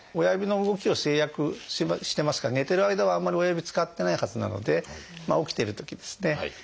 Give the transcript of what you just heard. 親指の動きを制約してますから寝てる間はあんまり親指使ってないはずなので起きているときですね。